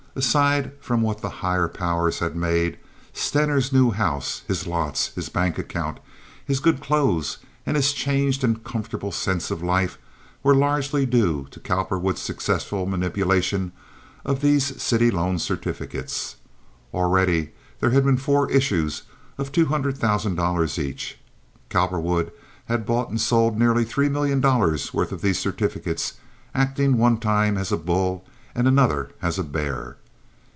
Aside from what the higher powers had made, Stener's new house, his lots, his bank account, his good clothes, and his changed and comfortable sense of life were largely due to Cowperwood's successful manipulation of these city loan certificates. Already there had been four issues of two hundred thousand dollars each. Cowperwood had bought and sold nearly three million dollars' worth of these certificates, acting one time as a "bull" and another as a "bear."